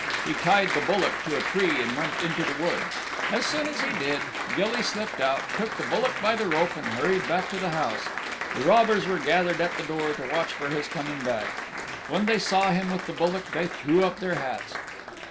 He tied the bullock to a tree and went into the wood. As soon as he did, Gilly slipped out, took the bullock by the rope and hurried back to the house. The robbers were gathered at the door to watch for his coming back. When they saw him with the bullock they threw up their hats.